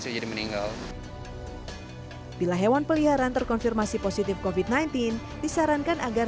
saya jadi meninggal bila hewan peliharaan terkonfirmasi positif kofit sembilan belas disarankan agar